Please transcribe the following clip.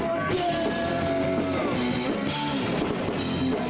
ได้บริเวณ